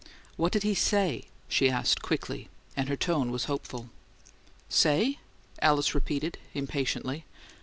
"What did he SAY?" she asked, quickly, and her tone was hopeful. "'Say?'" Alice repeated, impatiently.